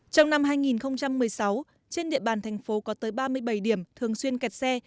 trong năm hai nghìn một mươi sáu trên địa bàn thành phố có tới ba mươi bảy điểm thường xuyên kẹt xe